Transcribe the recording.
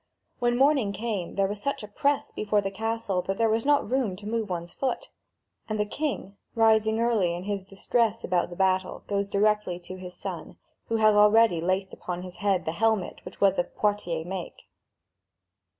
When morning came, there was such a press before the castle that there was not room to move one's foot. And the king, rising early in his distress about the battle, goes directly to his son, who had already laced upon his head the helmet which was of Poitiers make.